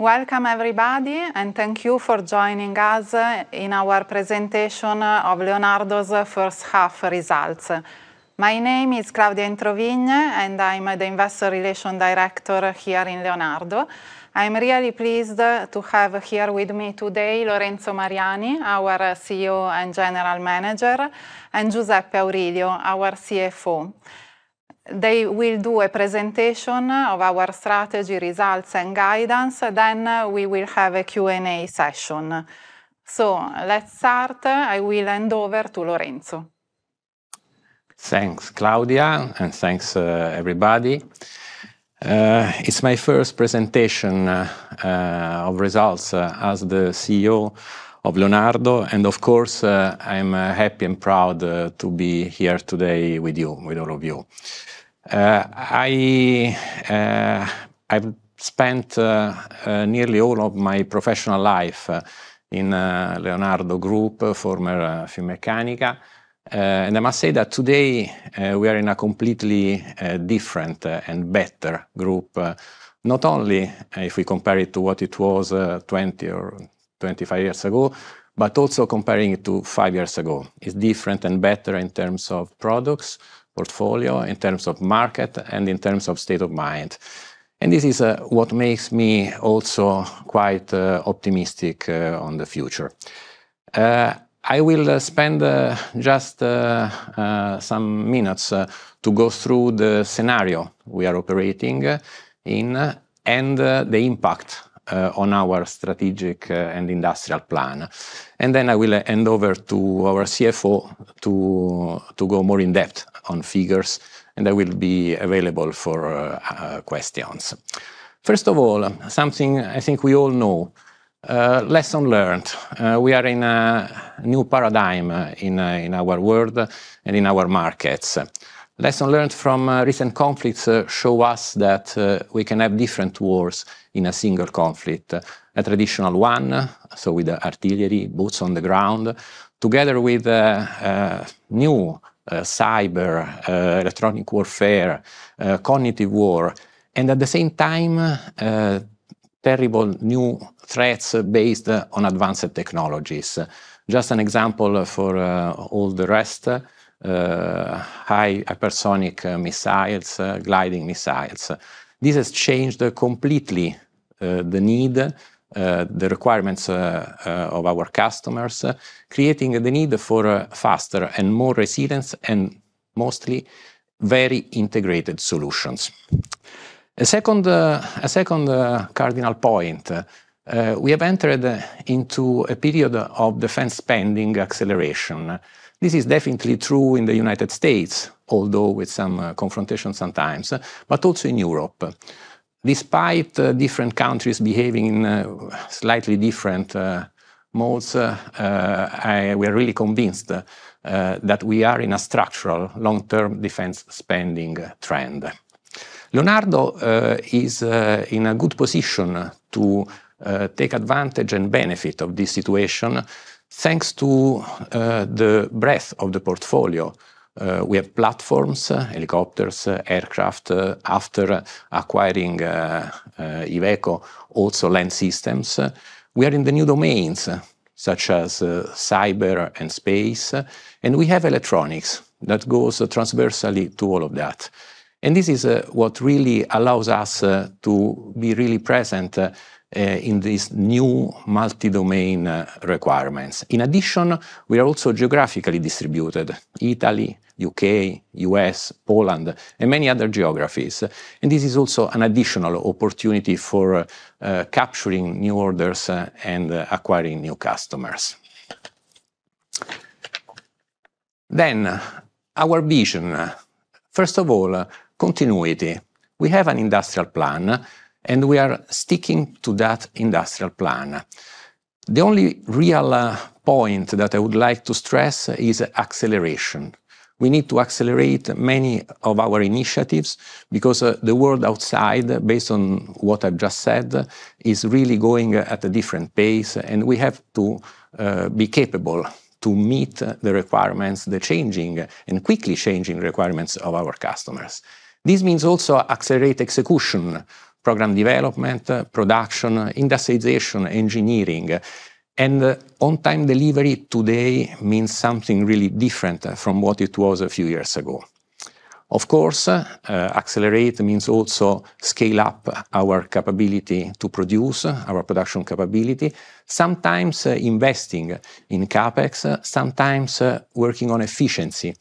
Welcome, everybody, and thank you for joining us in our presentation of Leonardo's first half results. My name is Claudia Introvigne, and I am the Investor Relations Director here in Leonardo. I am really pleased to have here with me today Lorenzo Mariani, our CEO and General Manager, and Giuseppe Aurilio, our CFO. They will do a presentation of our strategy, results, and guidance, then we will have a Q&A session. Let us start. I will hand over to Lorenzo. Thanks, Claudia, and thanks, everybody. It is my first presentation of results as the CEO of Leonardo. Of course, I am happy and proud to be here today with all of you. I have spent nearly all of my professional life in Leonardo Group, former Finmeccanica. I must say that today, we are in a completely different and better group, not only if we compare it to what it was 20 or 25 years ago, but also comparing it to five years ago. It is different and better in terms of products, portfolio, in terms of market, and in terms of state of mind. This is what makes me also quite optimistic on the future. I will spend just some minutes to go through the scenario we are operating in and the impact on our strategic and industrial plan. I will hand over to our CFO to go more in depth on figures, and I will be available for questions. First of all, something I think we all know. Lesson learned, we are in a new paradigm in our world and in our markets. Lesson learned from recent conflicts show us that we can have different wars in a single conflict, a traditional one, so with the artillery, boots on the ground, together with new cyber, electronic warfare, cognitive war, and at the same time, terrible new threats based on advanced technologies. Just an example for all the rest, high hypersonic missiles, gliding missiles. This has changed completely the need, the requirements of our customers, creating the need for faster and more resilience and mostly very integrated solutions. A second cardinal point, we have entered into a period of defense spending acceleration. This is definitely true in the United States, although with some confrontation sometimes, but also in Europe. Despite different countries behaving in slightly different modes, we are really convinced that we are in a structural long-term defense spending trend. Leonardo is in a good position to take advantage and benefit of this situation, thanks to the breadth of the portfolio. We have platforms, helicopters, aircraft, after acquiring Iveco, also land systems. We are in the new domains, such as cyber and space, and we have electronics that goes transversally to all of that. This is what really allows us to be really present in these new multi-domain requirements. In addition, we are also geographically distributed, Italy, U.K., U.S., Poland, and many other geographies. This is also an additional opportunity for capturing new orders and acquiring new customers. Our vision. First of all, continuity. We have an industrial plan, we are sticking to that industrial plan. The only real point that I would like to stress is acceleration. We need to accelerate many of our initiatives because the world outside, based on what I've just said, is really going at a different pace, we have to be capable to meet the requirements, the changing and quickly changing requirements of our customers. This means also accelerate execution, program development, production, industrialization, engineering. On-time delivery today means something really different from what it was a few years ago. Of course, accelerate means also scale up our capability to produce, our production capability, sometimes investing in CapEx, sometimes working on efficiency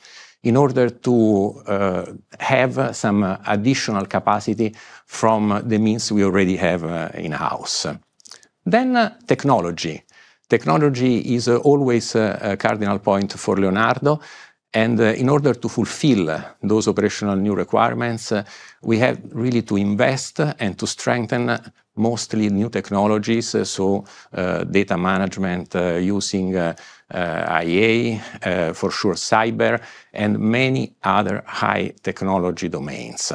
in order to have some additional capacity from the means we already have in-house. Technology. Technology is always a cardinal point for Leonardo, in order to fulfill those operational new requirements, we have really to invest and to strengthen mostly new technologies, so data management using IA, for sure cyber, many other high technology domains.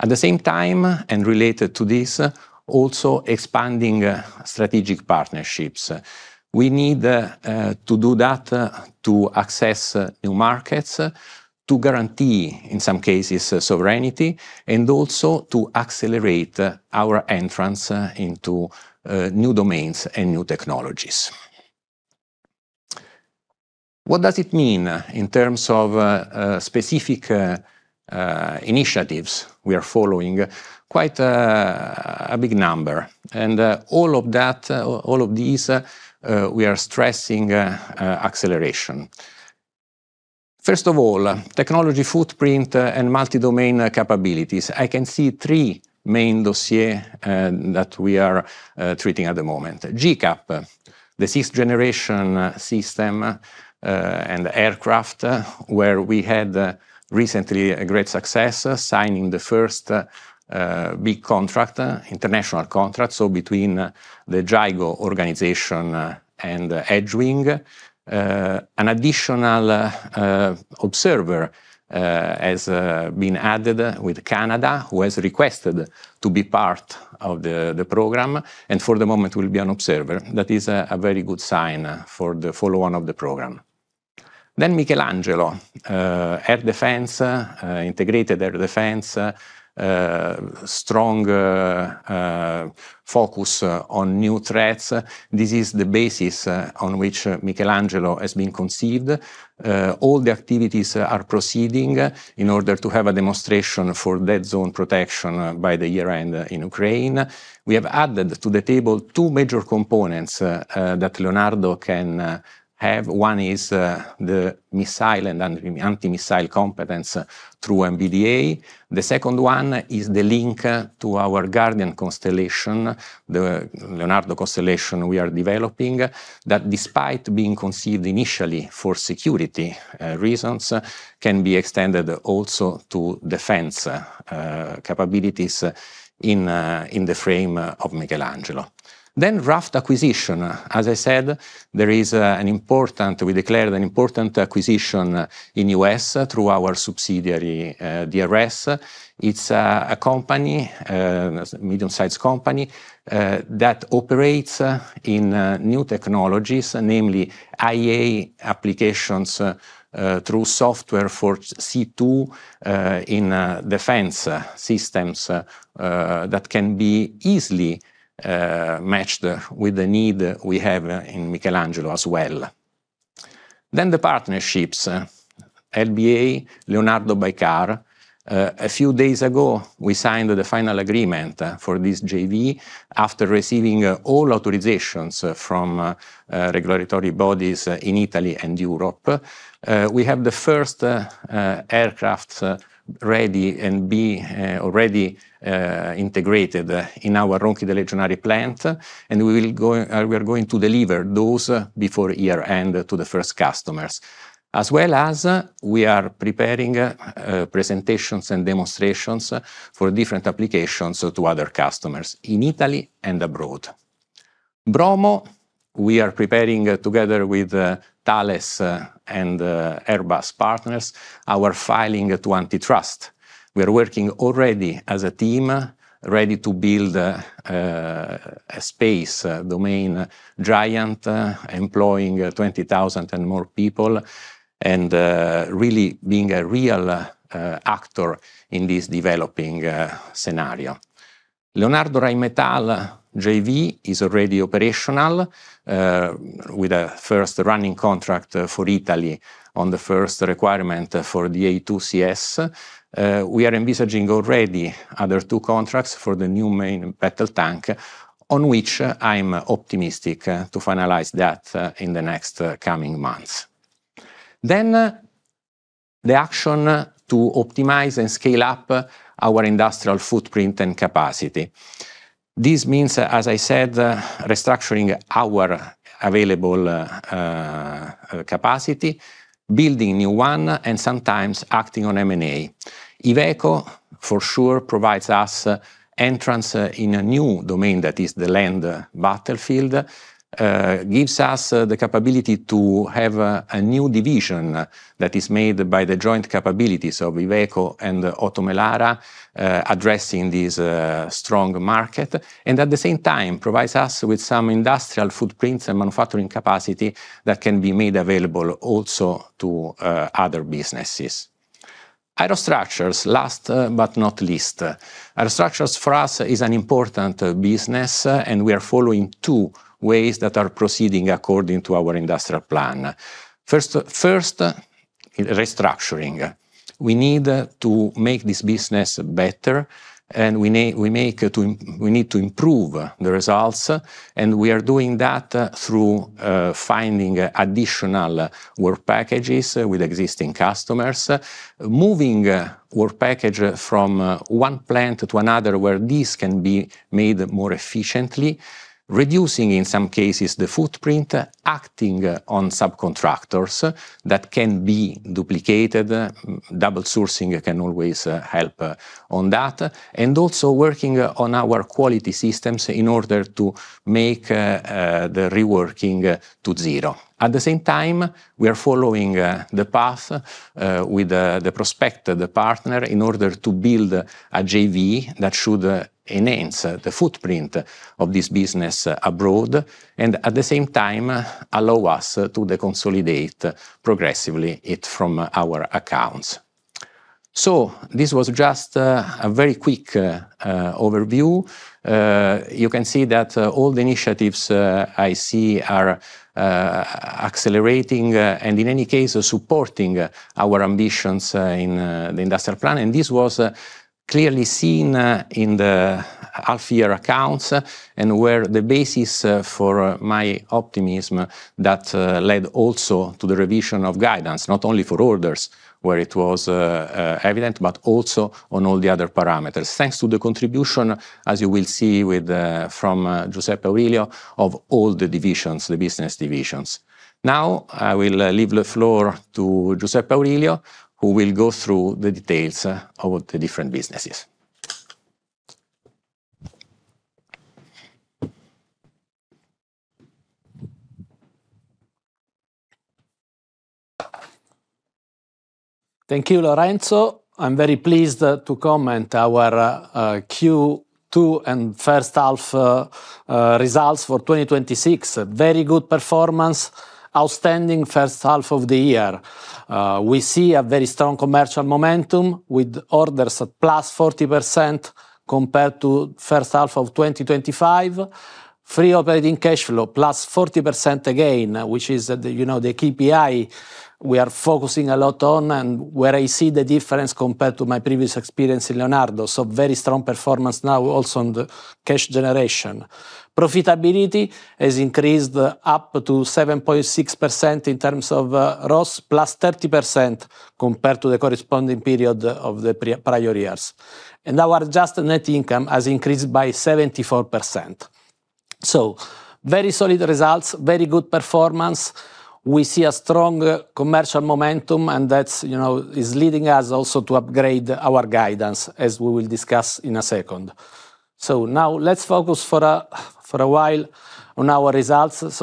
At the same time, related to this, also expanding strategic partnerships. We need to do that to access new markets, to guarantee, in some cases, sovereignty, also to accelerate our entrance into new domains and new technologies. What does it mean in terms of specific initiatives we are following? Quite a big number. All of these, we are stressing acceleration. First of all, technology footprint and multi-domain capabilities. I can see three main dossier that we are treating at the moment. GCAP, the sixth-generation system and aircraft, where we had recently a great success signing the first big international contract, between the GIGO organization and Edgewing. An additional observer has been added with Canada, who has requested to be part of the program, for the moment will be an observer. That is a very good sign for the follow-on of the program. Michelangelo. Air defense, integrated air defense, strong focus on new threats. This is the basis on which Michelangelo has been conceived. All the activities are proceeding in order to have a demonstration for dead zone protection by the year-end in Ukraine. We have added to the table two major components that Leonardo can have. One is the missile and anti-missile competence through MBDA. The second one is the link to our Guardian constellation, the Leonardo constellation we are developing, that despite being conceived initially for security reasons, can be extended also to defense capabilities in the frame of Michelangelo. Raft acquisition. As I said, we declared an important acquisition in U.S. through our subsidiary, DRS. It's a medium-sized company that operates in new technologies, namely IA applications through software for C2 in defense systems that can be easily matched with the need we have in Michelangelo as well. The partnerships, LBA, Leonardo Baykar. A few days ago, we signed the final agreement for this JV after receiving all authorizations from regulatory bodies in Italy and Europe. We have the first aircraft ready and being already integrated in our Ronchi dei Legionari plant, we are going to deliver those before year-end to the first customers. As well as we are preparing presentations and demonstrations for different applications to other customers in Italy and abroad. Bromo, we are preparing together with Thales and Airbus partners, our filing to antitrust. We are working already as a team, ready to build a space domain giant, employing 20,000 and more people, and really being a real actor in this developing scenario. Leonardo-Rheinmetall JV is already operational with a first running contract for Italy on the first requirement for the A2CS. We are envisaging already other two contracts for the new main battle tank, on which I'm optimistic to finalize that in the next coming months. Then the action to optimize and scale up our industrial footprint and capacity. This means, as I said, restructuring our available capacity, building new one, and sometimes acting on M&A. Iveco, for sure, provides us entrance in a new domain that is the land battlefield, gives us the capability to have a new division that is made by the joint capabilities of Iveco and Oto Melara, addressing this strong market, and at the same time, provides us with some industrial footprints and manufacturing capacity that can be made available also to other businesses. Aerostructures, last but not least. Aerostructures for us is an important business, and we are following two ways that are proceeding according to our industrial plan. First, restructuring. We need to make this business better, and we need to improve the results, and we are doing that through finding additional work packages with existing customers, moving work package from one plant to another where this can be made more efficiently, reducing, in some cases, the footprint, acting on subcontractors that can be duplicated. Double sourcing can always help on that. Also working on our quality systems in order to make the reworking to zero. At the same time, we are following the path with the prospective partner in order to build a JV that should enhance the footprint of this business abroad, and at the same time, allow us to deconsolidate progressively it from our accounts. This was just a very quick overview. You can see that all the initiatives I see are accelerating and in any case, are supporting our ambitions in the industrial plan. This was clearly seen in the half-year accounts and were the basis for my optimism that led also to the revision of guidance, not only for orders where it was evident, but also on all the other parameters. Thanks to the contribution, as you will see from Giuseppe Aurilio, of all the business divisions. Now, I will leave the floor to Giuseppe Aurilio, who will go through the details of the different businesses. Thank you, Lorenzo. I am very pleased to comment on our Q2 and first half results for 2026. A very good performance, outstanding first half of the year. We see a very strong commercial momentum with orders at +40% compared to the first half of 2025. Free operating cash flow +40% again, which is the KPI we are focusing a lot on and where I see the difference compared to my previous experience in Leonardo. Very strong performance now also on the cash generation. Profitability has increased up to 7.6% in terms of ROS, +30% compared to the corresponding period of the prior years. And our adjusted net income has increased by 74%. Very solid results, very good performance. We see a strong commercial momentum and that is leading us also to upgrade our guidance as we will discuss in a second. Now let's focus for a while on our results.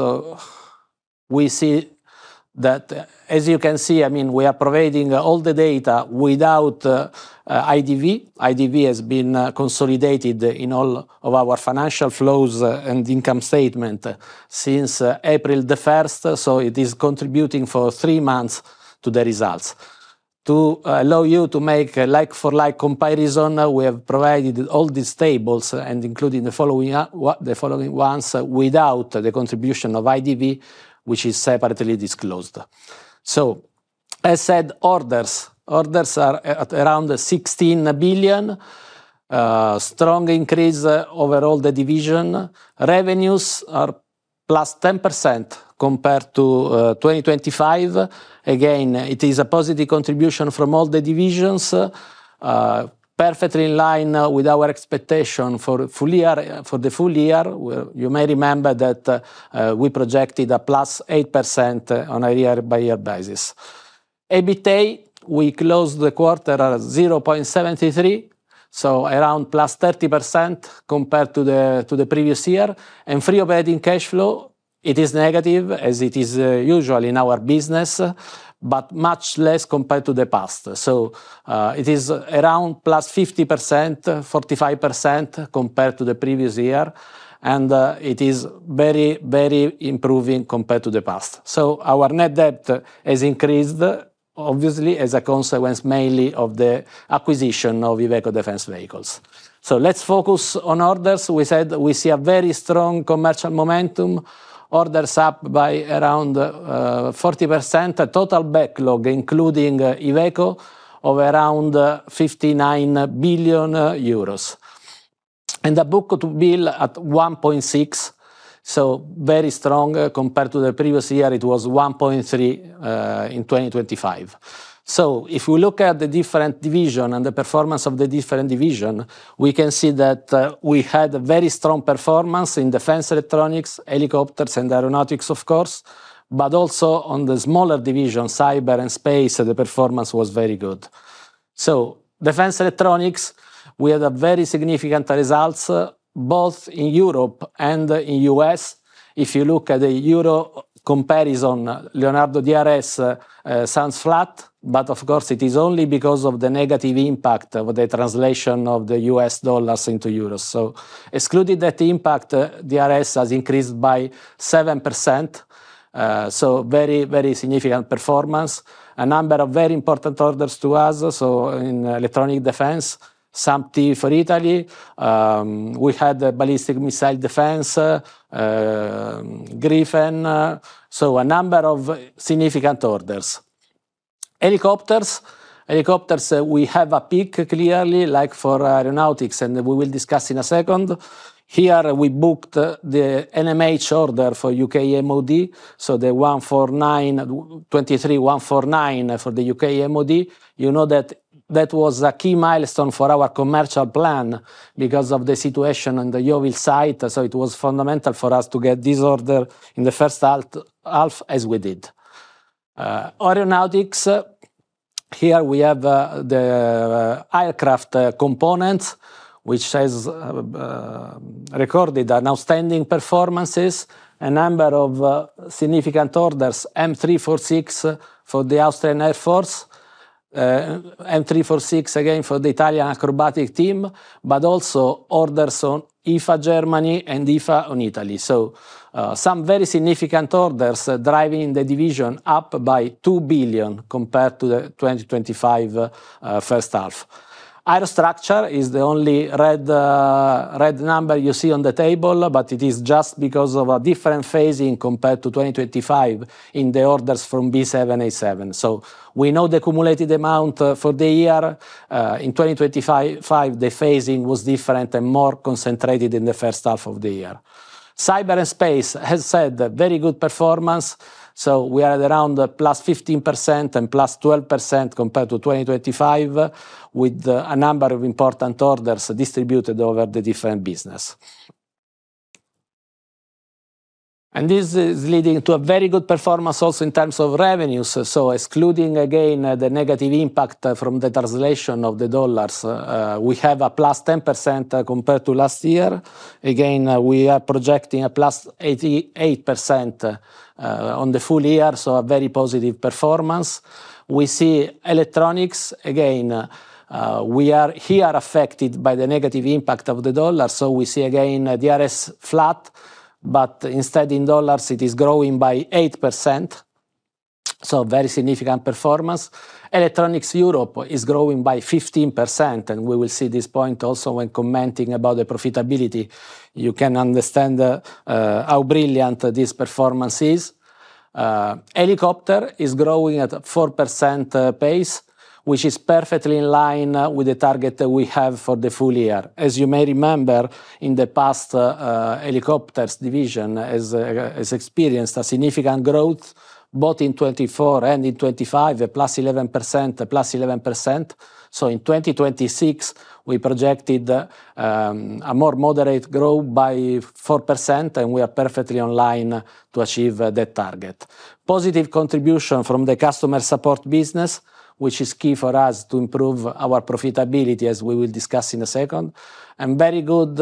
As you can see, we are providing all the data without IDV. IDV has been consolidated in all of our financial flows and income statement since April 1st. It is contributing for three months to the results. To allow you to make a like-for-like comparison, we have provided all these tables and including the following ones without the contribution of IDV, which is separately disclosed. As said, orders are at around 16 billion. Strong increase overall the division. Revenues are +10% compared to 2025. Again, it is a positive contribution from all the divisions, perfectly in line with our expectation for the full year, where you may remember that we projected a +8% on a year-over-year basis. EBITA, we closed the quarter at 0.73, around +30% compared to the previous year and FOCF, it is negative as it is usual in our business, but much less compared to the past. It is around +50%, 45% compared to the previous year and it is very improving compared to the past. Our net debt has increased obviously as a consequence mainly of the acquisition of Iveco Defence Vehicles. Let's focus on orders. We said we see a very strong commercial momentum. Orders up by around 40%. A total backlog including Iveco of around 59 billion euros. And the book-to-bill at 1.6, very strong compared to the previous year, it was 1.3 in 2025. If we look at the different division and the performance of the different division, we can see that we had a very strong performance in Defence Electronics, Helicopters, and Aeronautics of course, but also on the smaller division, Cyber and Space, the performance was very good. Defence Electronics, we had a very significant results both in Europe and in U.S. If you look at the euro comparison, Leonardo DRS sounds flat, but of course it is only because of the negative impact of the translation of the U.S. dollars into euros. Excluding that impact, DRS has increased by 7%, very significant performance. A number of very important orders to us, in Electronics Defence, SAMP/T for Italy, we had Ballistic Missile Defense, Gryphon, a number of significant orders. Helicopters, we have a peak clearly like for Aeronautics and we will discuss in a second. Here we booked the NMH order for U.K. MoD, the AW149 for the U.K. MoD. You know that that was a key milestone for our commercial plan because of the situation on the Yeovil site. It was fundamental for us to get this order in the first half as we did. Aeronautics. Here we have the aircraft component, which has recorded an outstanding performances, a number of significant orders, M-346 for the Austrian Air Force, M-346 again for the Italian acrobatic team, also orders on EFA Germany and EFA on Italy. Some very significant orders driving the division up by 2 billion compared to the 2025 first half. Aerostructure is the only red number you see on the table. It is just because of a different phasing compared to 2025 in the orders from B787. We know the accumulated amount for the year. In 2025, the phasing was different and more concentrated in the first half of the year. Cyber and Space, as said, very good performance. We are around +15% and +12% compared to 2025, with a number of important orders distributed over the different business. This is leading to a very good performance also in terms of revenues. Excluding, again, the negative impact from the translation of the dollars, we have a +10% compared to last year. Again, we are projecting a +88% on the full year, a very positive performance. We see Electronics, again, we are here affected by the negative impact of the dollar. We see again DRS flat. Instead in dollars, it is growing by 8%. Very significant performance. Electronics Europe is growing by 15%. We will see this point also when commenting about the profitability. You can understand how brilliant this performance is. Helicopter is growing at 4% pace, which is perfectly in line with the target that we have for the full year. As you may remember, in the past, Helicopters division has experienced a significant growth, both in 2024 and in 2025, a +11%. In 2026, we projected a more moderate growth by 4%. We are perfectly online to achieve that target. Positive contribution from the customer support business, which is key for us to improve our profitability, as we will discuss in a second. Very good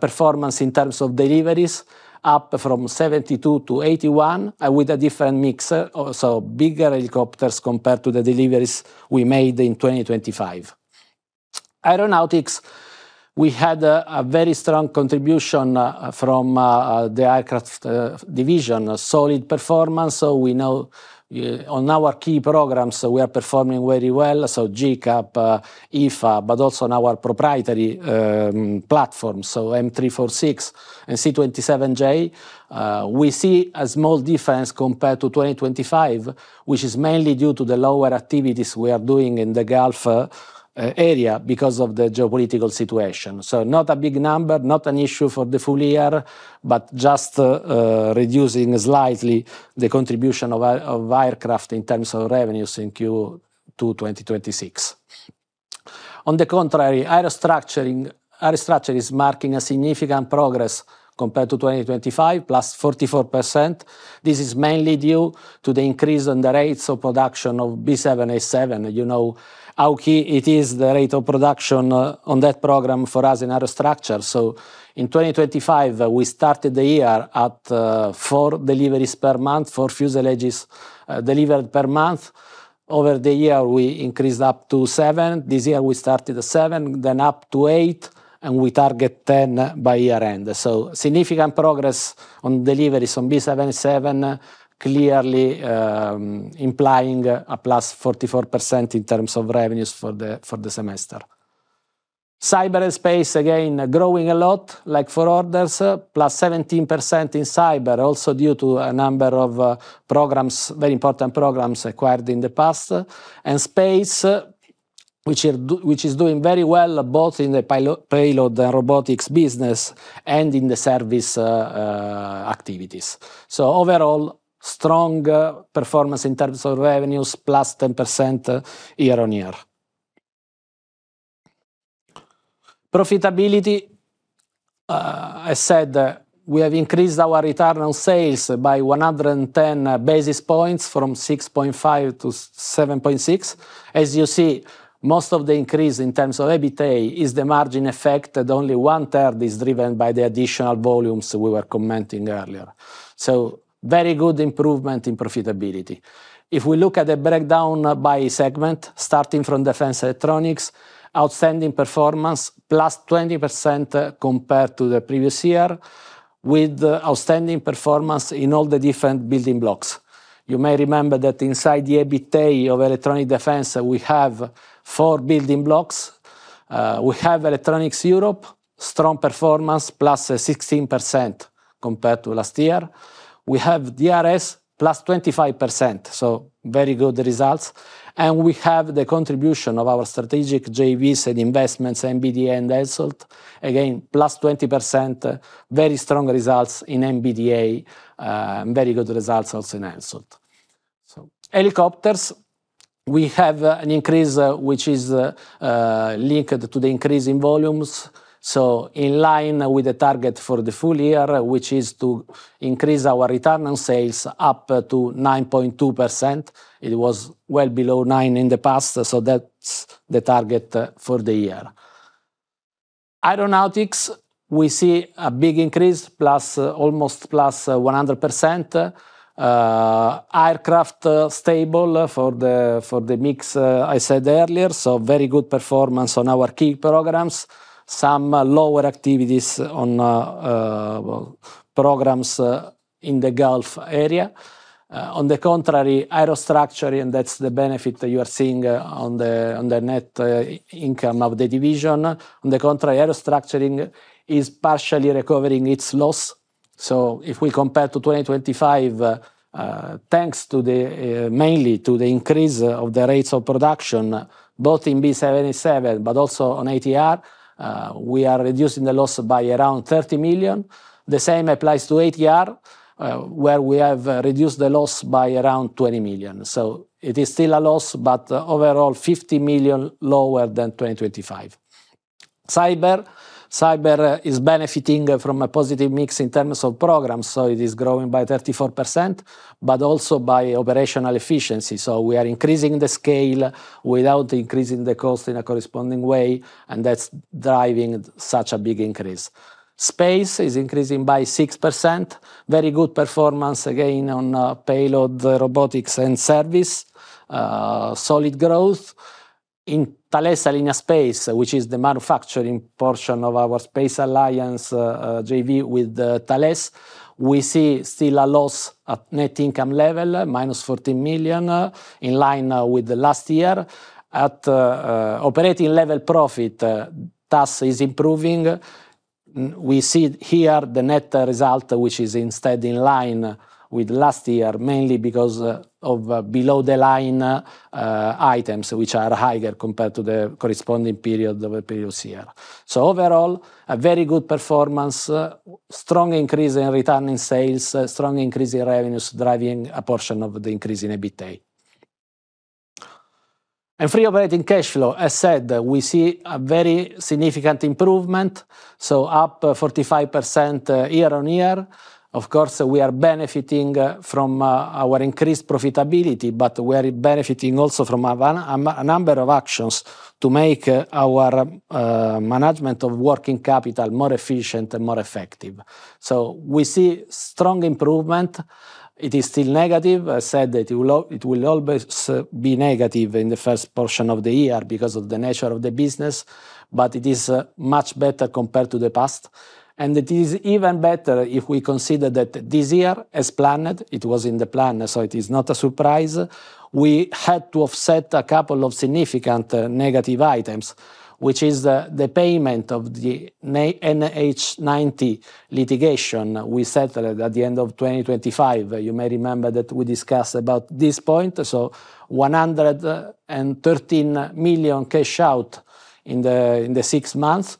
performance in terms of deliveries, up from 72 to 81, with a different mix. Bigger helicopters compared to the deliveries we made in 2025. Aeronautics, we had a very strong contribution from the aircraft division. A solid performance. We know on our key programs, we are performing very well. GCAP, IFA, also on our proprietary platforms, M-346 and C-27J. We see a small difference compared to 2025, which is mainly due to the lower activities we are doing in the Gulf area because of the geopolitical situation. Not a big number, not an issue for the full year, just reducing slightly the contribution of aircraft in terms of revenues in Q2 2026. On the contrary, Aerostructure is marking a significant progress compared to 2025, +44%. This is mainly due to the increase on the rates of production of B787. You know how key it is, the rate of production on that program for us in Aerostructure. In 2025, we started the year at four deliveries per month, four fuselages delivered per month. Over the year, we increased up to seven. This year, we started at seven, then up to eight, and we target 10 by year-end. Significant progress on deliveries on B787, clearly implying a +44% in terms of revenues for the semester. Cyber and Space, again, growing a lot, like for orders, +17% in cyber, also due to a number of programs, very important programs acquired in the past. Space, which is doing very well, both in the payload and robotics business and in the service activities. Overall, strong performance in terms of revenues, +10% year-on-year. Profitability. I said we have increased our return on sales by 110 basis points from 6.5 to 7.6. As you see, most of the increase in terms of EBITA is the margin effect, and only one-third is driven by the additional volumes we were commenting earlier. Very good improvement in profitability. If we look at the breakdown by segment, starting from Defense Electronics, outstanding performance, +20% compared to the previous year, with outstanding performance in all the different building blocks. You may remember that inside the EBITA of Defense Electronics, we have four building blocks. We have Electronics Europe, strong performance, +16% compared to last year. We have DRS, +25%. Very good results. We have the contribution of our strategic JVs and investments, MBDA and HENSOLDT. Again, +20%, very strong results in MBDA. Very good results also in HENSOLDT. Helicopters, we have an increase which is linked to the increase in volumes. In line with the target for the full year, which is to increase our return on sales up to 9.2%. It was well below 9% in the past, that's the target for the year. Aeronautics, we see a big increase, almost +100%. Aircraft, stable for the mix I said earlier. Very good performance on our key programs. Some lower activities on programs in the Gulf area. On the contrary, Aerostructures, that's the benefit that you are seeing on the net income of the division. On the contrary, Aerostructures is partially recovering its loss. If we compare to 2025, thanks mainly to the increase of the rates of production, both in B787 but also on ATR, we are reducing the loss by around 30 million. The same applies to ATR, where we have reduced the loss by around 20 million. It is still a loss, but overall, 50 million lower than 2025. Cyber. Cyber is benefiting from a positive mix in terms of programs. It is growing by 34%, but also by operational efficiency. We are increasing the scale without increasing the cost in a corresponding way, and that's driving such a big increase. Space is increasing by 6%. Very good performance, again, on payload, robotics, and service. Solid growth. In Thales Alenia Space, which is the manufacturing portion of our Space Alliance JV with Thales, we see still a loss at net income level, -14 million, in line with the last year. At operating level profit, TAS is improving. We see here the net result, which is instead in line with last year, mainly because of below the line items, which are higher compared to the corresponding period of the previous year. Overall, a very good performance. Strong increase in return in sales, strong increase in revenues, driving a portion of the increase in EBITA. Free operating cash flow, as said, we see a very significant improvement, so up 45% year-on-year. We are benefiting from our increased profitability, but we are benefiting also from a number of actions to make our management of working capital more efficient and more effective. We see strong improvement. It is still negative. I said that it will always be negative in the first portion of the year because of the nature of the business, but it is much better compared to the past, and it is even better if we consider that this year, as planned, it was in the plan, so it is not a surprise. We had to offset a couple of significant negative items, which is the payment of the NH90 litigation we settled at the end of 2025. You may remember that we discussed about this point. 113 million cash out in the six months.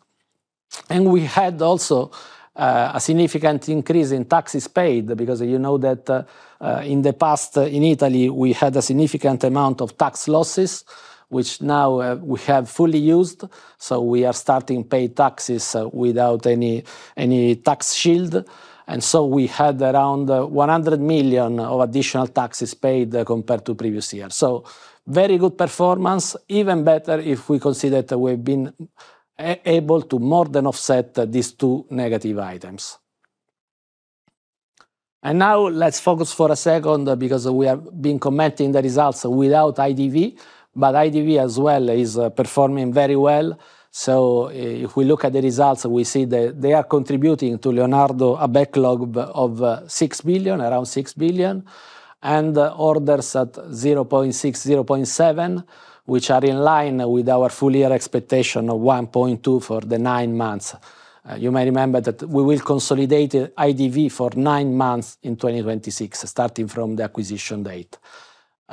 We had also a significant increase in taxes paid because you know that in the past, in Italy, we had a significant amount of tax losses, which now we have fully used, so we are starting to pay taxes without any tax shield. We had around 100 million of additional taxes paid compared to previous years. Very good performance, even better if we consider that we've been able to more than offset these two negative items. Now let's focus for a second, because we have been commenting the results without IDV, but IDV as well is performing very well. If we look at the results, we see that they are contributing to Leonardo a backlog of around 6 billion. And orders at 0.6 billion, 0.7 billion, which are in line with our full year expectation of 1.2 billion for the nine months. You may remember that we will consolidate IDV for nine months in 2026, starting from the acquisition date.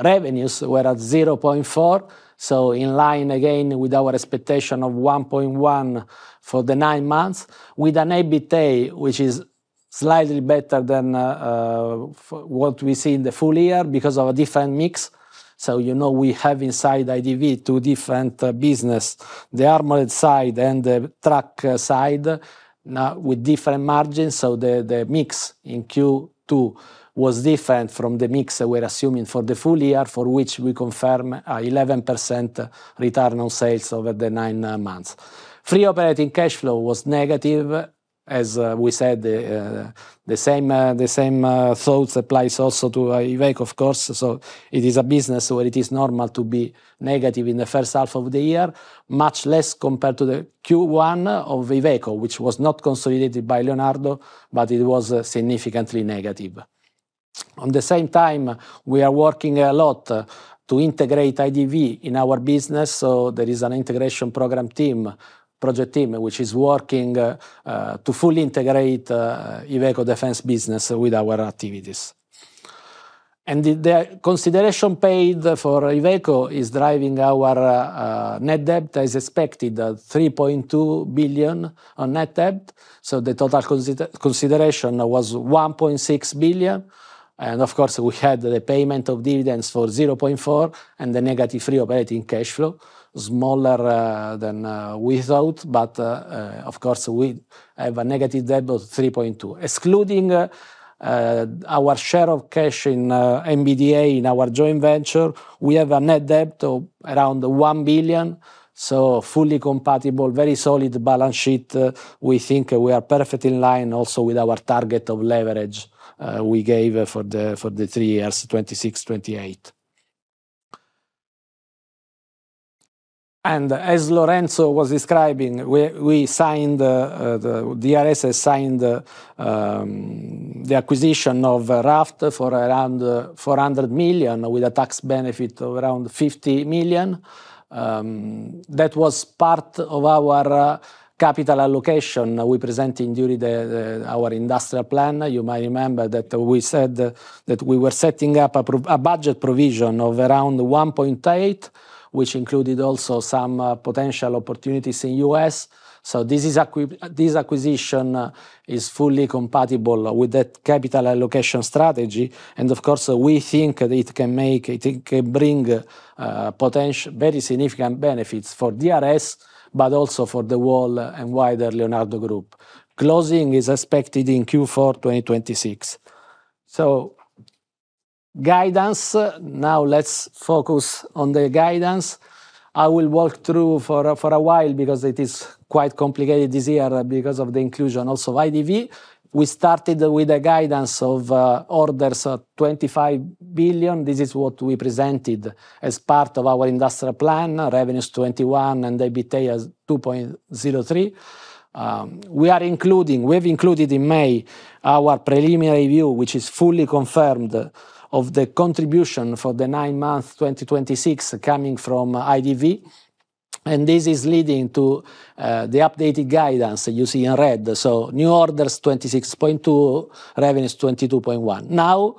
Revenues were at 0.4 billion, so in line again with our expectation of 1.1 billion for the nine months, with an EBITDA, which is slightly better than what we see in the full year because of a different mix. You know we have inside IDV two different business, the armored side and the truck side, now with different margins, so the mix in Q2 was different from the mix we're assuming for the full year, for which we confirm 11% return on sales over the nine months. Free operating cash flow was negative, as we said, the same thoughts applies also to Iveco, of course. It is a business where it is normal to be negative in the first half of the year, much less compared to the Q1 of Iveco, which was not consolidated by Leonardo, but it was significantly negative. On the same time, we are working a lot to integrate IDV in our business, so there is an integration program team, project team, which is working to fully integrate Iveco Defence business with our activities. The consideration paid for Iveco is driving our net debt, as expected, 3.2 billion on net debt. The total consideration was 1.6 billion, and of course, we had the payment of dividends for 0.4 billion and the negative free operating cash flow, smaller than without. Of course, we have a negative debt of 3.2 billion. Excluding our share of cash in MBDA, in our joint venture, we have a net debt of around 1 billion, fully compatible, very solid balance sheet. We think we are perfectly in line also with our target of leverage we gave for the three years, 2026, 2028. As Lorenzo was describing, DRS has signed the acquisition of Raft for around 400 million, with a tax benefit of around 50 million. That was part of our capital allocation we presented during our industrial plan. You might remember that we said that we were setting up a budget provision of around 1.8 billion, which included also some potential opportunities in U.S. This acquisition is fully compatible with that capital allocation strategy, and of course, we think it can bring very significant benefits for DRS, but also for the whole and wider Leonardo Group. Closing is expected in Q4 2026. Guidance. Now let's focus on the guidance. I will walk through for a while because it is quite complicated this year because of the inclusion also of IDV. We started with a guidance of orders of 25 billion. This is what we presented as part of our industrial plan, revenues 21 billion and EBITDA 2.03 billion. We have included in May our preliminary view, which is fully confirmed, of the contribution for the nine months 2026 coming from IDV, leading to the updated guidance that you see in red. New orders 26.2 billion, revenues 22.1 billion. Now,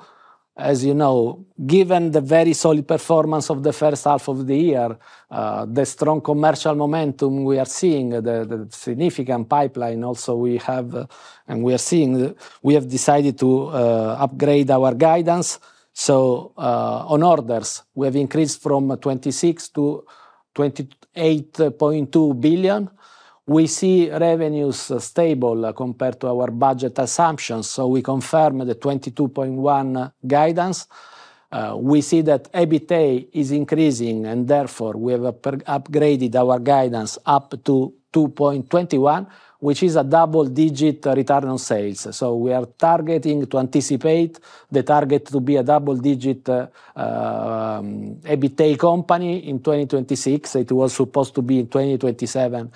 as you know, given the very solid performance of the first half of the year, the strong commercial momentum we are seeing, the significant pipeline also we have and we are seeing, we have decided to upgrade our guidance. On orders, we have increased from 26 billion to 28.2 billion. We see revenues stable compared to our budget assumptions, we confirm the 22.1 billion guidance. We see that EBITDA is increasing and therefore we have upgraded our guidance up to 2.21 billion, which is a double-digit return on sales. We are targeting to anticipate the target to be a double-digit EBITDA company in 2026. It was supposed to be in 2027,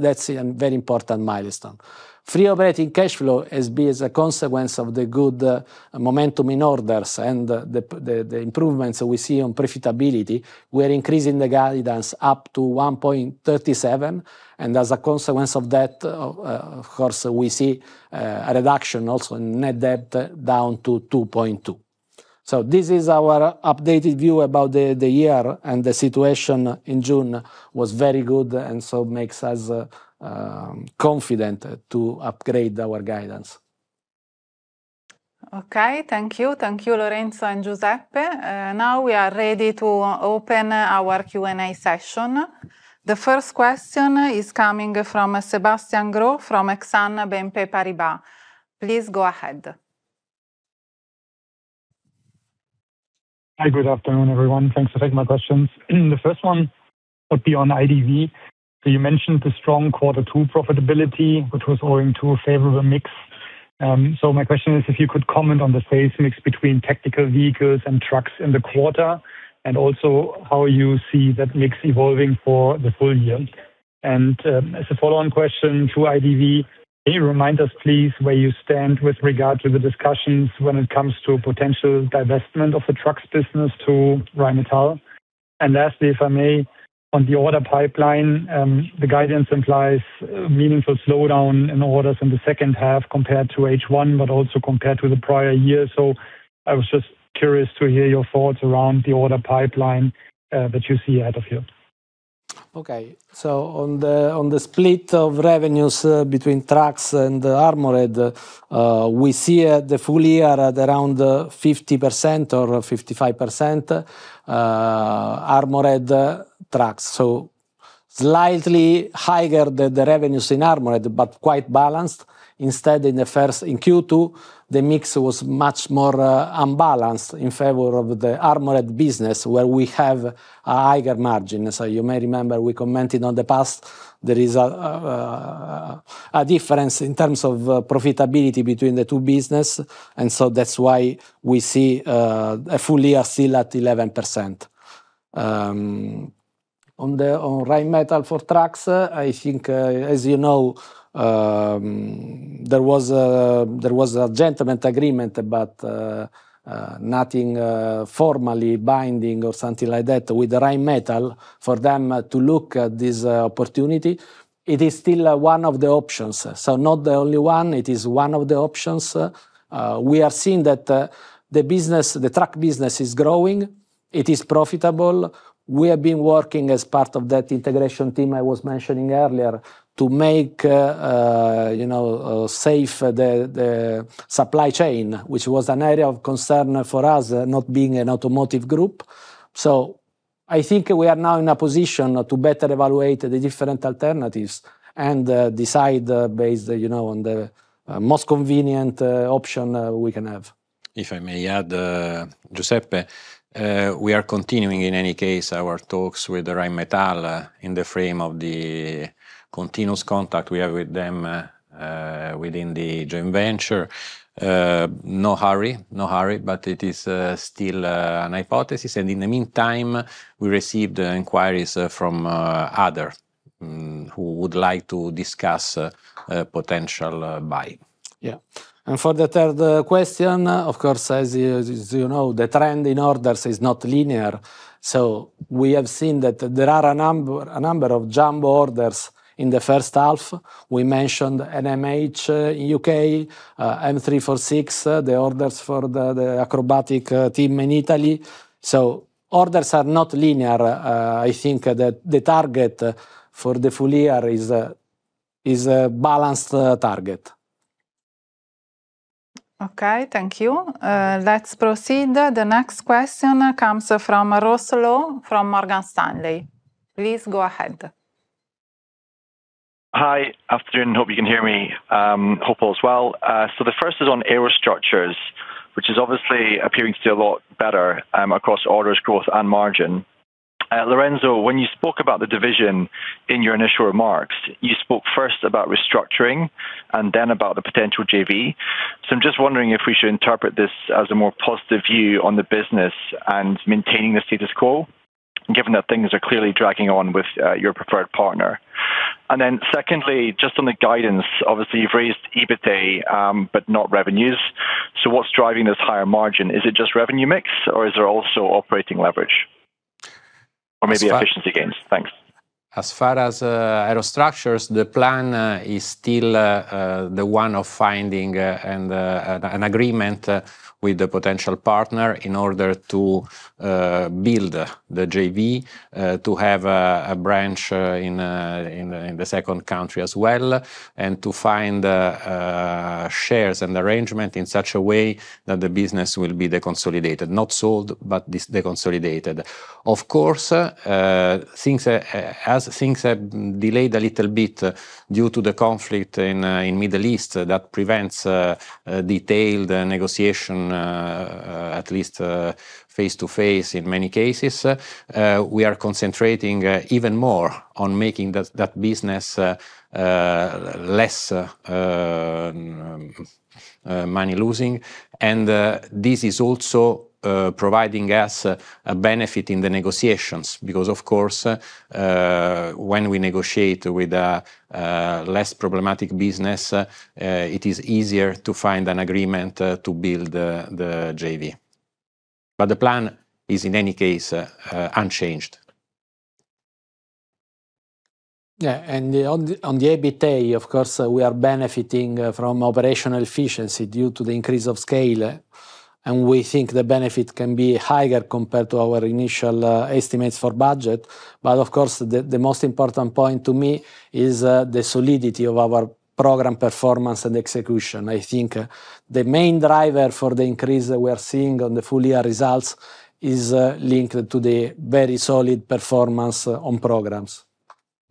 that's a very important milestone. Free operating cash flow has been as a consequence of the good momentum in orders and the improvements we see on profitability. We're increasing the guidance up to 1.37 billion, and as a consequence of that, of course, we see a reduction also in net debt down to 2.2 billion. This is our updated view about the year, the situation in June was very good and makes us confident to upgrade our guidance. Okay. Thank you. Thank you, Lorenzo and Giuseppe. Now we are ready to open our Q&A session. The first question is coming from Sebastian Growe from Exane BNP Paribas. Please go ahead. Hi, good afternoon, everyone. Thanks for taking my questions. The first one would be on IDV. You mentioned the strong Q2 profitability, which was owing to a favorable mix. My question is if you could comment on the sales mix between tactical vehicles and trucks in the quarter, and also how you see that mix evolving for the full year. As a follow-on question to IDV, can you remind us, please, where you stand with regard to the discussions when it comes to potential divestment of the trucks business to Rheinmetall? Lastly, if I may, on the order pipeline, the guidance implies a meaningful slowdown in orders in the second half compared to H1 but also compared to the prior year. I was just curious to hear your thoughts around the order pipeline that you see ahead of you. Okay. On the split of revenues between trucks and armored, we see the full year at around 50% or 55% armored trucks, slightly higher the revenues in armored, but quite balanced. Instead, in Q2, the mix was much more unbalanced in favor of the armored business, where we have a higher margin. You may remember we commented on the past, there is a difference in terms of profitability between the two business, that is why we see a full year still at 11%. On Rheinmetall for trucks, I think, as you know, there was a gentleman agreement, but nothing formally binding or something like that with Rheinmetall for them to look at this opportunity. It is still one of the options. Not the only one, it is one of the options. We are seeing that the truck business is growing. It is profitable. We have been working as part of that integration team I was mentioning earlier to make safe the supply chain, which was an area of concern for us, not being an automotive group. I think we are now in a position to better evaluate the different alternatives and decide based on the most convenient option we can have. If I may add, Giuseppe, we are continuing, in any case, our talks with Rheinmetall in the frame of the continuous contact we have with them within the joint venture. No hurry, but it is still a hypothesis. In the meantime, we received inquiries from other who would like to discuss a potential buy. For the third question, of course, as you know, the trend in orders is not linear. We have seen that there are a number of jumbo orders in the first half. We mentioned NMH U.K., M-346, the orders for the acrobatic team in Italy. Orders are not linear. I think that the target for the full year is a balanced target. Thank you. Let's proceed. The next question comes from Ross Law from Morgan Stanley. Please go ahead. Afternoon. Hope you can hear me, hope all is well. The first is on Aerostructures, which is obviously appearing to do a lot better, across orders, growth, and margin. Lorenzo, when you spoke about the division in your initial remarks, you spoke first about restructuring and then about the potential JV. I'm just wondering if we should interpret this as a more positive view on the business and maintaining the status quo, given that things are clearly dragging on with your preferred partner. Secondly, just on the guidance, obviously you've raised EBITA, but not revenues. What's driving this higher margin? Is it just revenue mix or is there also operating leverage? Or maybe efficiency gains. Thanks. As far as Aerostructures, the plan is still the one of finding an agreement with the potential partner in order to build the JV, to have a branch in the second country as well, and to find shares and arrangement in such a way that the business will be de-consolidated. Not sold, but de-consolidated. Of course, as things have delayed a little bit due to the conflict in Middle East, that prevents detailed negotiation, at least face to face in many cases. We are concentrating even more on making that business less money losing. This is also providing us a benefit in the negotiations because, of course, when we negotiate with a less problematic business, it is easier to find an agreement to build the JV. The plan is, in any case, unchanged. Yeah. On the EBITA, of course, we are benefiting from operational efficiency due to the increase of scale, and we think the benefit can be higher compared to our initial estimates for budget. Of course, the most important point to me is the solidity of our program performance and execution. I think the main driver for the increase that we are seeing on the full-year results is linked to the very solid performance on programs.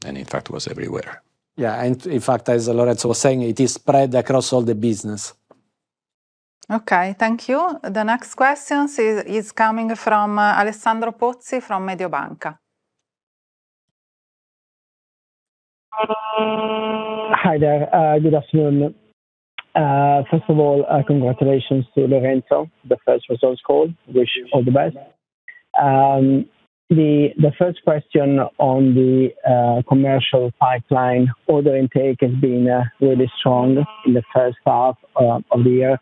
In fact, it was everywhere. Yeah. In fact, as Lorenzo was saying, it is spread across all the business. Okay. Thank you. The next question is coming from Alessandro Pozzi from Mediobanca. Hi there. Good afternoon. First of all, congratulations to Lorenzo, the first results call. Wish you all the best. The first question on the commercial pipeline order intake has been really strong in the first half of the year.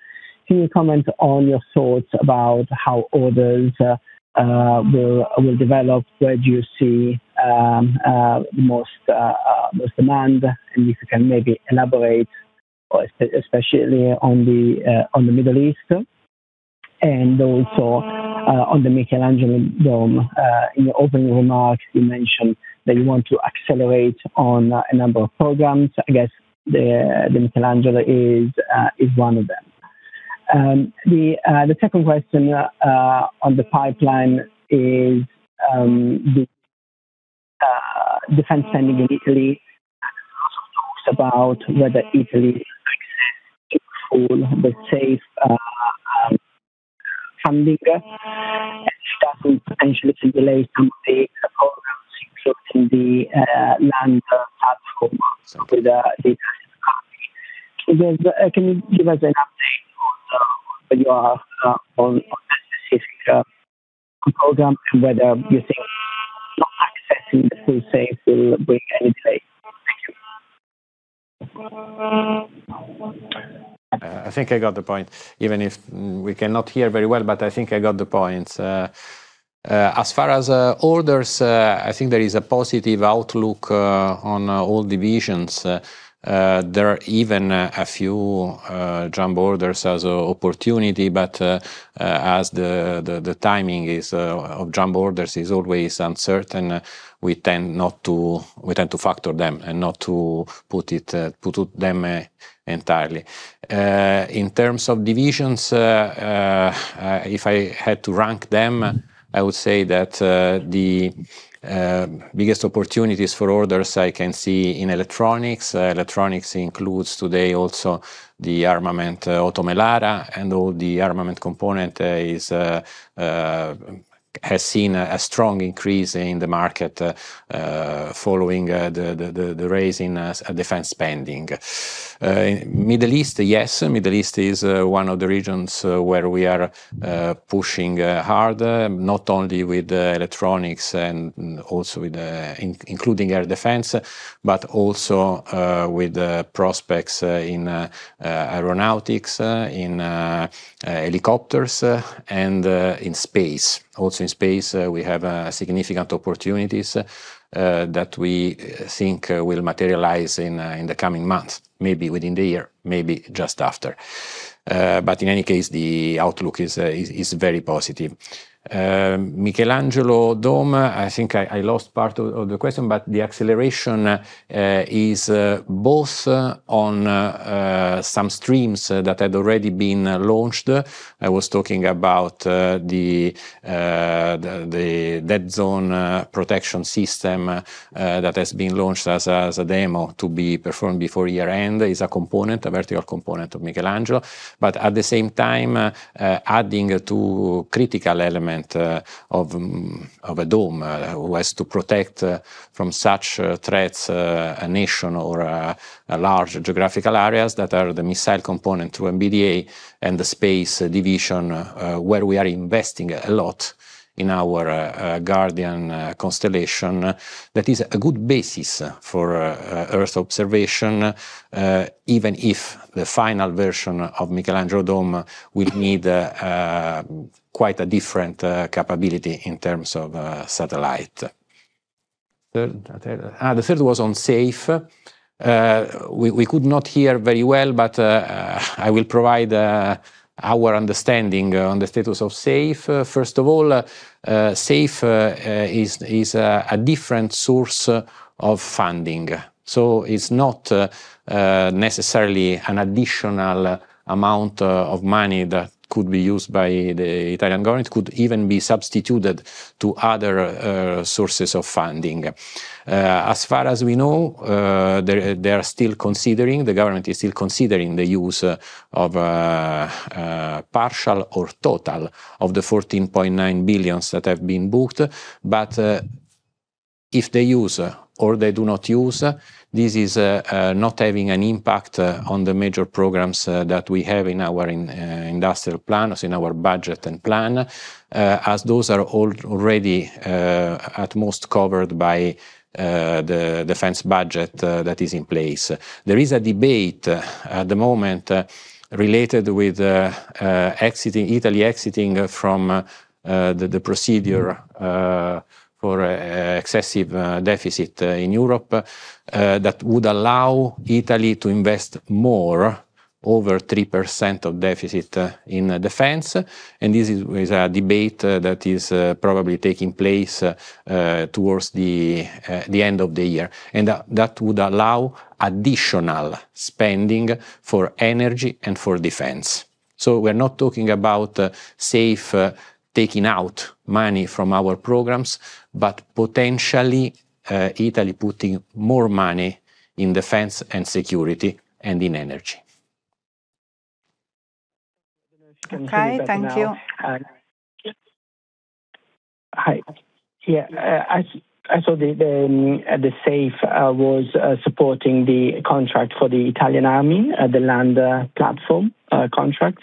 Can you comment on your thoughts about how orders will develop, where do you see the most demand, and if you can maybe elaborate especially on the Middle East and also on the Michelangelo Dome. In your opening remarks, you mentioned that you want to accelerate on a number of programs. I guess the Michelangelo is one of them. The second question on the pipeline is the defense spending in Italy also talks about whether Italy access to all the SAFE funding that can potentially delay some of the programs, including the land platform. With that, can you give us an update also where you are on that specific program and whether you think not accessing the full SAFE will bring any delay? Thank you. I think I got the point, even if we cannot hear very well, but I think I got the point. As far as orders, I think there is a positive outlook on all divisions. There are even a few jumbo orders as an opportunity, but as the timing of jumbo orders is always uncertain, we tend to factor them and not to put them entirely. In terms of divisions, if I had to rank them, I would say that the biggest opportunities for orders I can see in Electronics. Electronics includes today also the armament, Oto Melara and all the armament component has seen a strong increase in the market following the rise in defense spending. Middle East, yes. Middle East is one of the regions where we are pushing harder, not only with Electronics and also including air defense, but also with prospects in aeronautics, in helicopters, and in space. Also in space, we have significant opportunities that we think will materialize in the coming months, maybe within the year, maybe just after. In any case, the outlook is very positive. Michelangelo Dome, I think I lost part of the question, but the acceleration is both on some streams that had already been launched. I was talking about the dead zone protection system that has been launched as a demo to be performed before year-end is a component, a vertical component of Michelangelo. At the same time, adding two critical element of a dome who has to protect from such threats a nation or large geographical areas that are the missile component to MBDA and the space division, where we are investing a lot in our Guardian constellation. That is a good basis for Earth observation, even if the final version of Michelangelo Dome will need quite a different capability in terms of satellite. Third? The third was on SAFE. We could not hear very well, but I will provide our understanding on the status of SAFE. First of all, SAFE is a different source of funding. It's not necessarily an additional amount of money that could be used by the Italian government, could even be substituted to other sources of funding. As far as we know, the government is still considering the use of partial or total of the 14.9 billion that have been booked. If they use or they do not use, this is not having an impact on the major programs that we have in our industrial plan or in our budget and plan, as those are already at most covered by the defense budget that is in place. There is a debate at the moment related with Italy exiting from the procedure for excessive deficit in Europe that would allow Italy to invest more, over 3% of deficit in defense. This is a debate that is probably taking place towards the end of the year, and that would allow additional spending for energy and for defense. We're not talking about SAFE taking out money from our programs, but potentially Italy putting more money in defense and security and in energy. Okay, thank you. Hi. Yeah, I saw the SAFE was supporting the contract for the Italian Army, the land platform contract.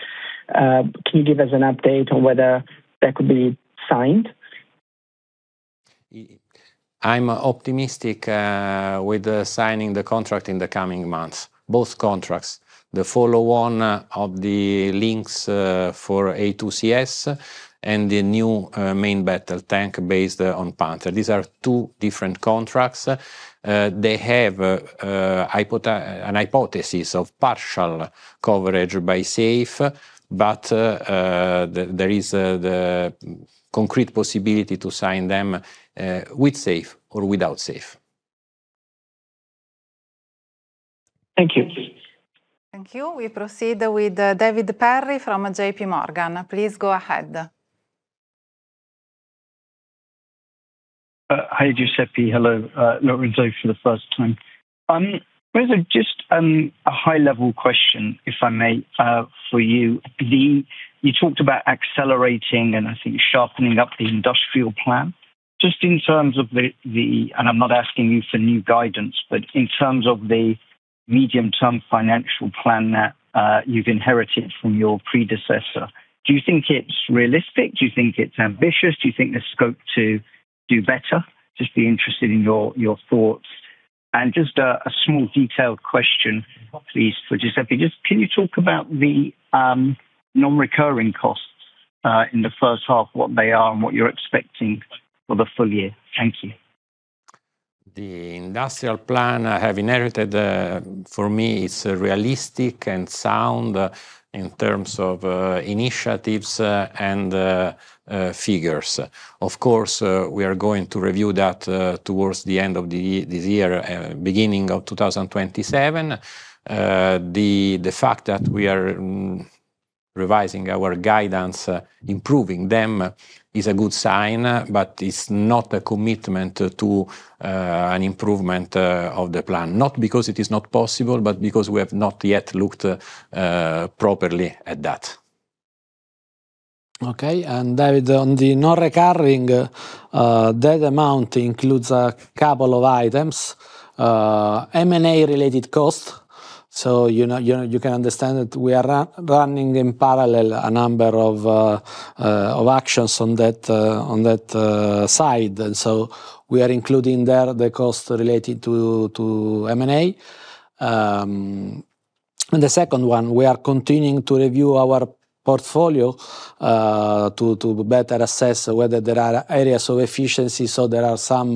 Can you give us an update on whether that could be signed? I'm optimistic with signing the contract in the coming months. Both contracts, the follow-on of the Lynx for A2CS and the new main battle tank based on Panther. These are two different contracts. They have a hypothesis of partial coverage by SAFE, but there is the concrete possibility to sign them with SAFE or without SAFE. Thank you. Thank you. We proceed with David Perry from JPMorgan. Please go ahead. Hi, Giuseppe. Hello, Lorenzo, for the first time. Lorenzo, just a high-level question, if I may, for you. You talked about accelerating and I think sharpening up the industrial plan. Just in terms of the, I'm not asking you for new guidance, but in terms of the medium-term financial plan that you've inherited from your predecessor, do you think it's realistic? Do you think it's ambitious? Do you think there's scope to do better? Just be interested in your thoughts. Just a small detailed question, please, for Giuseppe. Just can you talk about the non-recurring costs in the first half, what they are, and what you're expecting for the full year? Thank you. The industrial plan I have inherited, for me, it's realistic and sound in terms of initiatives and figures. Of course, we are going to review that towards the end of this year, beginning of 2027. The fact that we are revising our guidance, improving them, is a good sign, it's not a commitment to an improvement of the plan. Not because it is not possible, because we have not yet looked properly at that. Okay. David, on the non-recurring, that amount includes a couple of items, M&A-related costs. You can understand that we are running in parallel a number of actions on that side. We are including there the cost related to M&A. The second one, we are continuing to review our portfolio to better assess whether there are areas of efficiency, there are some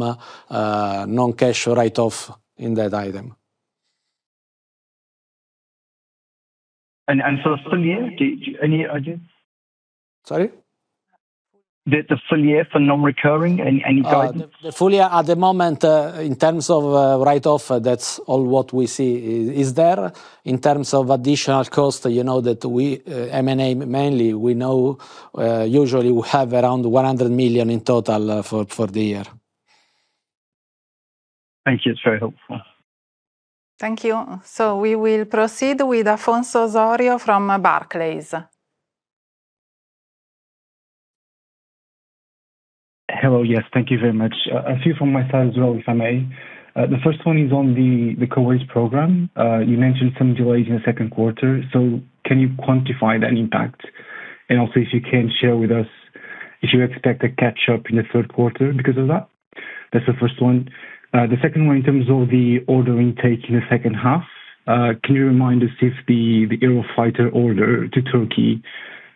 non-cash write-off in that item. For the full year, any ideas? Sorry? The full year for non-recurring, any guidance? The full year, at the moment, in terms of write-off, that's all what we see is there. In terms of additional cost, you know that M&A, mainly, we know usually we have around 100 million in total for the year. Thank you. It's very helpful. Thank you. We will proceed with Afonso Osorio from Barclays. Hello. Yes, thank you very much. A few from my side as well, if I may. The first one is on the Kuwait program. You mentioned some delays in the second quarter. Can you quantify that impact? Also, if you can share with us if you expect a catch-up in the third quarter because of that? That's the first one. The second one, in terms of the order intake in the second half, can you remind us if the Eurofighter order to Turkey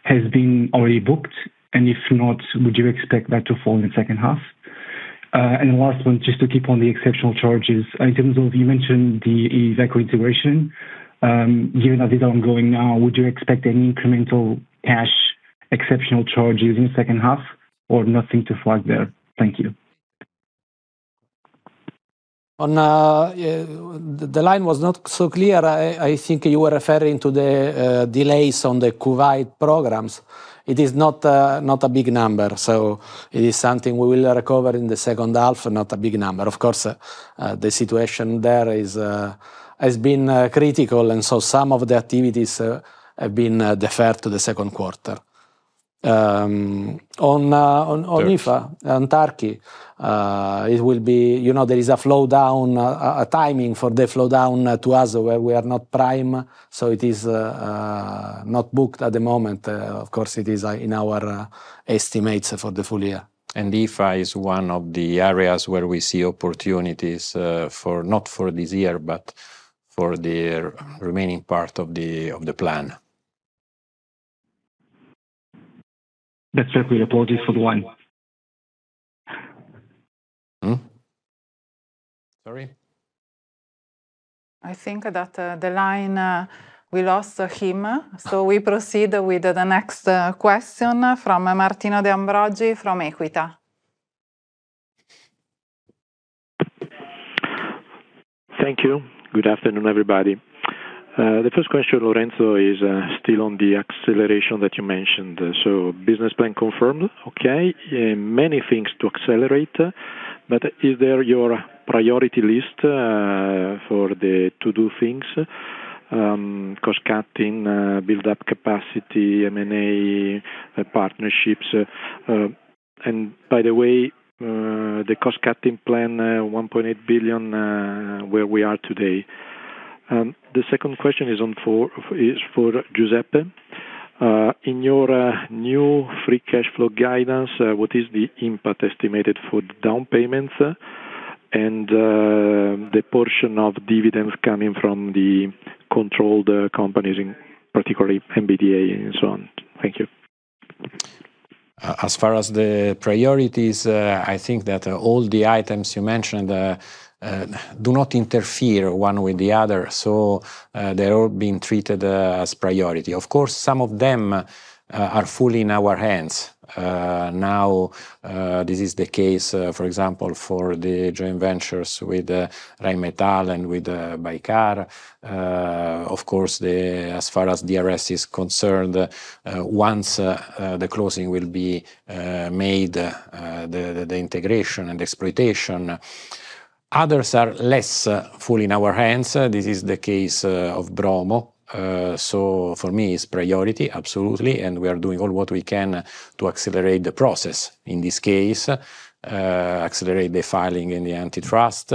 has been already booked? If not, would you expect that to fall in the second half? Last one, just to keep on the exceptional charges, in terms of, you mentioned the IDV integration. Given that is ongoing now, would you expect any incremental cash exceptional charges in second half, or nothing to flag there? Thank you. The line was not so clear. I think you are referring to the delays on the Kuwait program. It is not a big number, it is something we will recover in the second half, not a big number. Of course, the situation there has been critical, some of the activities have been deferred to the second quarter. On IFA Turkey On Turkey, there is a timing for the flow down to us where we are not prime, it is not booked at the moment. Of course, it is in our estimates for the full year. IFA is one of the areas where we see opportunities, not for this year, but for the remaining part of the plan. That's perfectly noted for the line? Sorry? I think that the line, we lost him. We proceed with the next question from Martino De Ambroggi from Equita. Thank you. Good afternoon, everybody. The first question, Lorenzo, is still on the acceleration that you mentioned. Business plan confirmed, okay. Many things to accelerate, but is there your priority list for the to-do things, cost-cutting, build up capacity, M&A, partnerships? By the way, the cost-cutting plan, 1.8 billion, where we are today. The second question is for Giuseppe. In your new free cash flow guidance, what is the impact estimated for the down payments and the portion of dividends coming from the controlled companies, particularly MBDA and so on? Thank you. As far as the priorities, I think that all the items you mentioned do not interfere one with the other, so they're all being treated as priority. Of course, some of them are fully in our hands. Now, this is the case, for example, for the joint ventures with Rheinmetall and with Baykar. Of course, as far as DRS is concerned, once the closing will be made, the integration and exploitation. Others are less fully in our hands. This is the case of Bromo. For me, it's priority, absolutely, and we are doing all what we can to accelerate the process, in this case, accelerate the filing in the antitrust.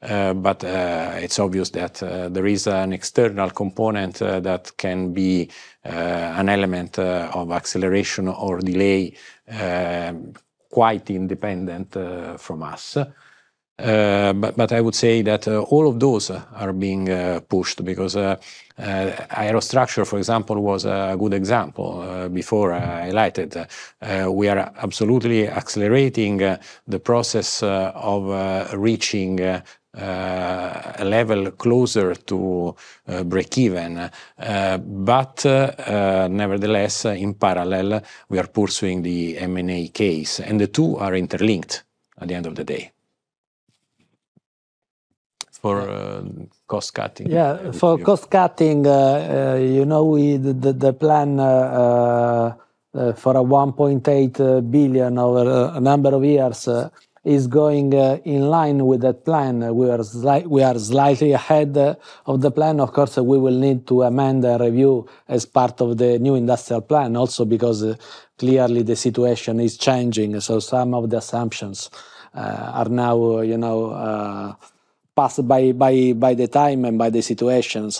It's obvious that there is an external component that can be an element of acceleration or delay quite independent from us. I would say that all of those are being pushed because Aerostructures, for example, was a good example before I highlighted. We are absolutely accelerating the process of reaching a level closer to break-even. Nevertheless, in parallel, we are pursuing the M&A case, and the two are interlinked at the end of the day. For cost cutting. Yeah. For cost cutting, the plan for 1.8 billion over a number of years is going in line with that plan. We are slightly ahead of the plan. Of course, we will need to amend the review as part of the new industrial plan also because clearly the situation is changing. Some of the assumptions are now passed by the time and by the situation.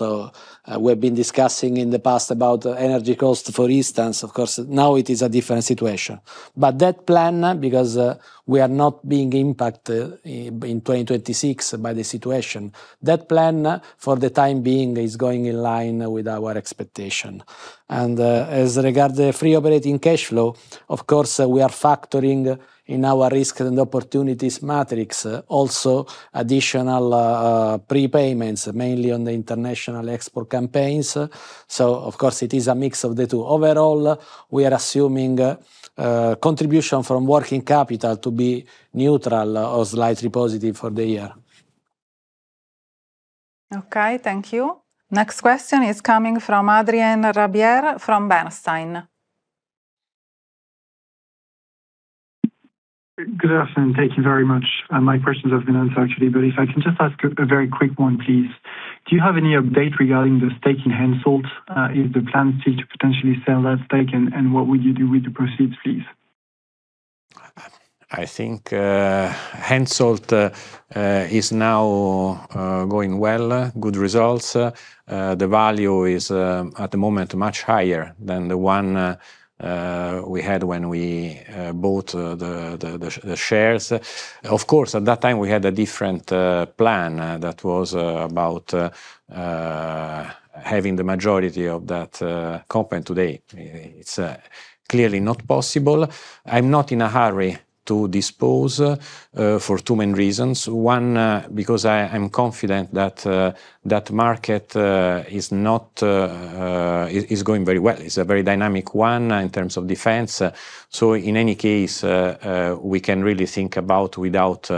We've been discussing in the past about energy cost, for instance. Of course, now it is a different situation. That plan, because we are not being impacted in 2026 by the situation, that plan for the time being is going in line with our expectation. As regards the free operating cash flow, of course, we are factoring in our risk and opportunities matrix, also additional prepayments, mainly on the international export campaigns. Of course it is a mix of the two. Overall, we are assuming contribution from working capital to be neutral or slightly positive for the year. Okay, thank you. Next question is coming from Adrien Rabier from Bernstein. Good afternoon. Thank you very much. My questions have been answered, actually, but if I can just ask a very quick one, please. Do you have any update regarding the stake in HENSOLDT? Is the plan still to potentially sell that stake, and what would you do with the proceeds, please? I think HENSOLDT is now going well, good results. The value is, at the moment, much higher than the one we had when we bought the shares. Of course, at that time we had a different plan that was about having the majority of that company. Today, it's clearly not possible. I'm not in a hurry to dispose for two main reasons. One, because I am confident that that market is going very well. It's a very dynamic one in terms of defense. In any case, we can really think about without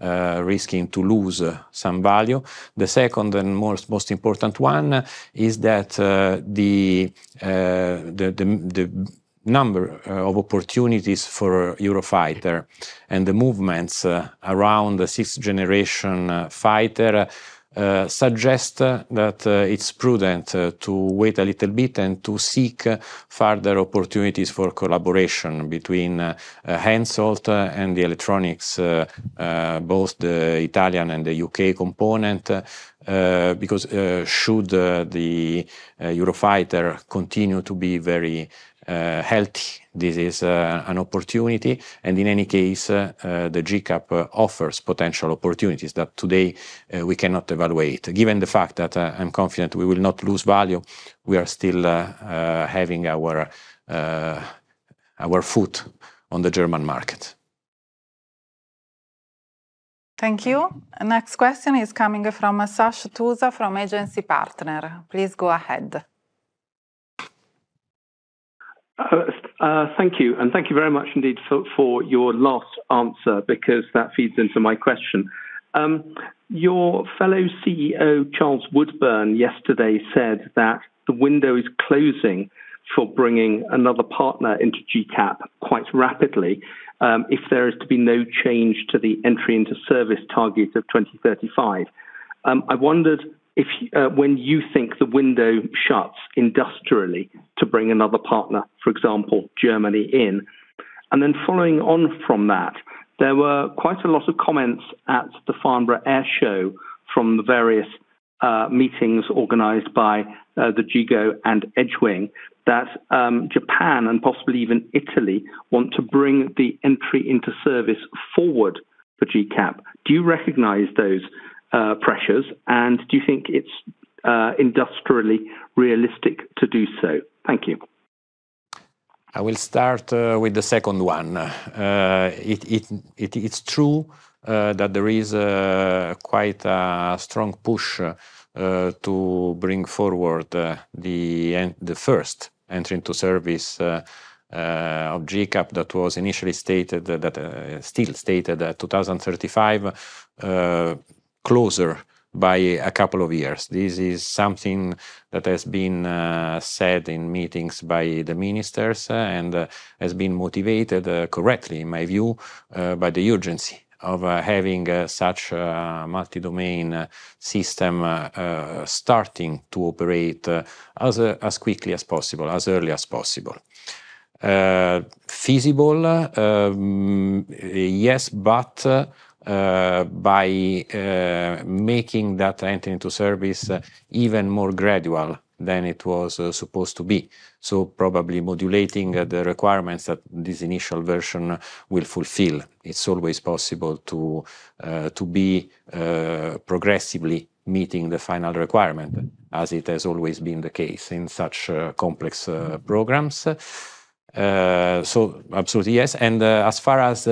risking to lose some value. The second and most important one is that the number of opportunities for Eurofighter and the movements around the sixth-generation fighter suggest that it's prudent to wait a little bit and to seek further opportunities for collaboration between HENSOLDT and the electronics, both the Italian and the U.K. component, because should the Eurofighter continue to be very healthy, this is an opportunity, and in any case, the GCAP offers potential opportunities that today we cannot evaluate. Given the fact that I'm confident we will not lose value, we are still having our foot on the German market. Thank you. Next question is coming from Sash Tusa from Agency Partners. Please go ahead. Thank you. Thank you very much indeed for your last answer, because that feeds into my question. Your fellow CEO, Charles Woodburn, yesterday said that the window is closing for bringing another partner into GCAP quite rapidly if there is to be no change to the entry into service target of 2035. I wondered when you think the window shuts industrially to bring another partner, for example, Germany in? Following on from that, there were quite a lot of comments at the Farnborough Air Show from the various meetings organized by the GIGO and Edgewing, that Japan and possibly even Italy want to bring the entry into service forward for GCAP. Do you recognize those pressures, and do you think it's industrially realistic to do so? Thank you. I will start with the second one. It's true that there is quite a strong push to bring forward the first entry into service of GCAP that was initially stated, that still stated 2035, closer by a couple of years. This is something that has been said in meetings by the ministers and has been motivated correctly, in my view, by the urgency of having such a multi-domain system starting to operate as quickly as possible, as early as possible. Feasible? Yes, but by making that entry into service even more gradual than it was supposed to be. Probably modulating the requirements that this initial version will fulfill. It's always possible to be progressively meeting the final requirement, as it has always been the case in such complex programs. Absolutely, yes. As far as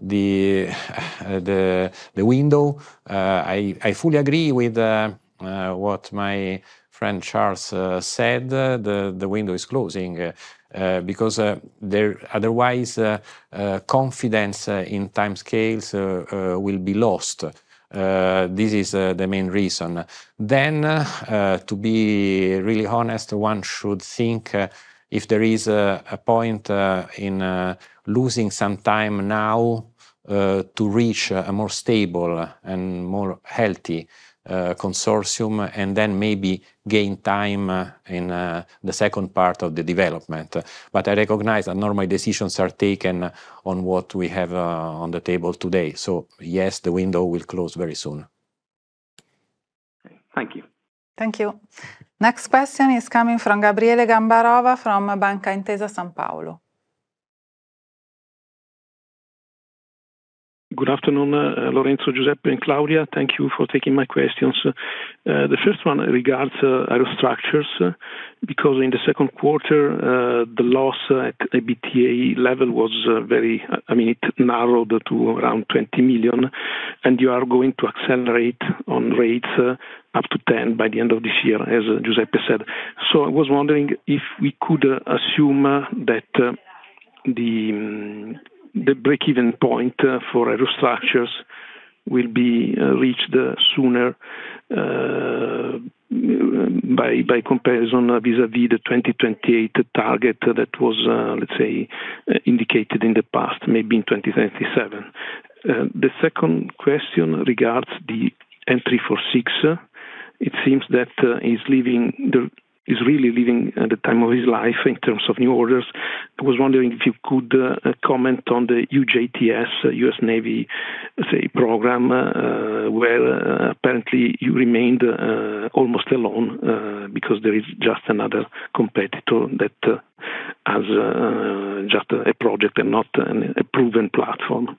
the window, I fully agree with what my friend Charles said. The window is closing, because otherwise confidence in timescales will be lost. This is the main reason. To be really honest, one should think if there is a point in losing some time now to reach a more stable and more healthy consortium, and then maybe gain time in the second part of the development. I recognize that normally decisions are taken on what we have on the table today. Yes, the window will close very soon. Okay. Thank you. Thank you. Next question is coming from Gabriele Gambarova from Banca Intesa Sanpaolo. Good afternoon, Lorenzo, Giuseppe, and Claudia. Thank you for taking my questions. The first one regards Aerostructures, because in the second quarter, the loss at EBITA level narrowed to around 20 million, you are going to accelerate on rates up to 10 by the end of this year, as Giuseppe said. I was wondering if we could assume that the breakeven point for Aerostructures will be reached sooner, by comparison, vis-a-vis the 2028 target that was, let's say, indicated in the past, maybe in 2027. The second question regards the M-346. It seems that it's really living the time of its life in terms of new orders. I was wondering if you could comment on the UJTS, U.S. Navy program, where apparently you remained almost alone, because there is just another competitor that has just a project and not a proven platform.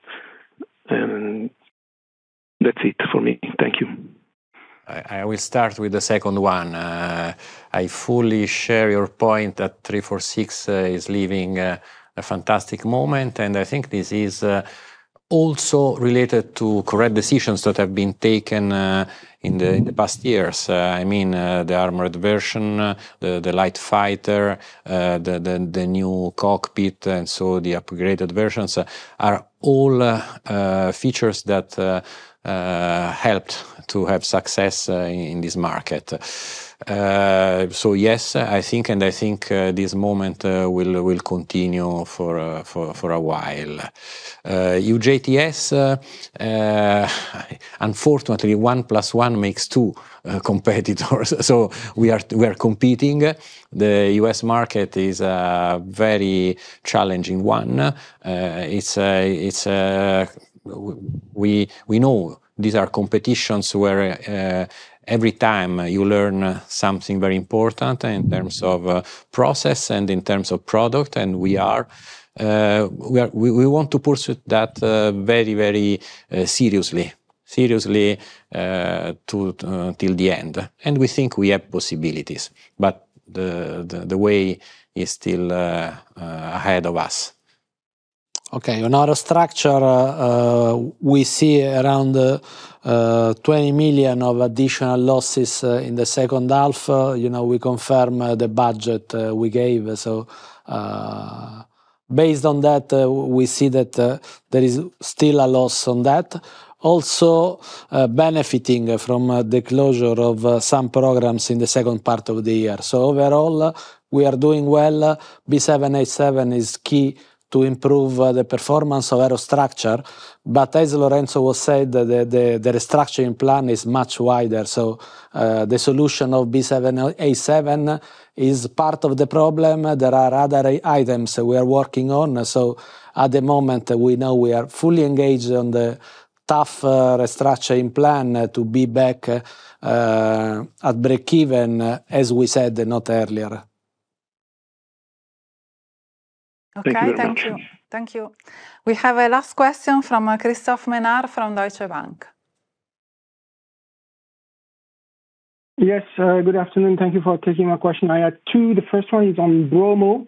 That's it for me. Thank you. I will start with the second one. I fully share your point that M-346 is living a fantastic moment, I think this is also related to correct decisions that have been taken in the past years. I mean, the armored version, the light fighter, the new cockpit, the upgraded versions, are all features that helped to have success in this market. Yes, I think this moment will continue for a while. UJTS, unfortunately, one plus one makes two competitors, so we are competing. The U.S. market is a very challenging one. We know these are competitions where every time you learn something very important in terms of process and in terms of product, we want to pursue that very seriously till the end. We think we have possibilities, but the way is still ahead of us. Okay. On Aerostructure, we see around 20 million of additional losses in the second half. We confirm the budget we gave. Based on that, we see that there is still a loss on that. Also benefiting from the closure of some programs in the second part of the year. Overall, we are doing well. B787 is key to improve the performance of Aerostructure. As Lorenzo has said, the restructuring plan is much wider, the solution of B787 is part of the problem. There are other items that we are working on. At the moment, we know we are fully engaged on the tough restructuring plan to be back at breakeven, as we said the note earlier. Thank you very much. Okay. Thank you. We have a last question from Christophe Menard from Deutsche Bank. Yes, good afternoon. Thank you for taking my question. I have two. The first one is on Bromo.